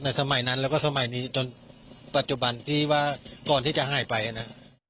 แต่สมัยนั้นแล้วก็สมัยนี้จนปัจจุบันที่ว่าก่อนที่จะหายไปนะ